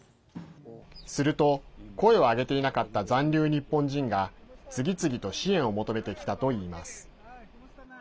すると、声を上げていなかった残留日本人が次々と支援を求めてきたといいます。